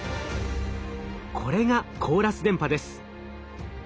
これがコーラス電波です。